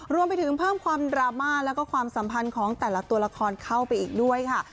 รวมไปถึงเพิ่มความดราม่าแล้วก็ความสัมพันธ์ของแต่ละตัวละครเข้าไปอีกด้วยค่ะ